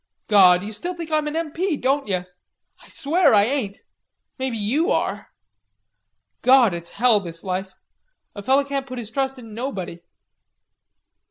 "Gawd, you still think I'm an M.P., don't yer?... I swear I ain't. Maybe you are. Gawd, it's hell, this life. A feller can't put his trust in nobody."